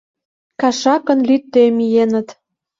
Кашакын лӱдде миеныт.